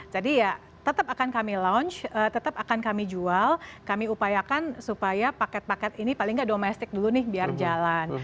jadi ya tetap akan kami launch tetap akan kami jual kami upayakan supaya paket paket ini paling tidak domestik dulu nih biar jalan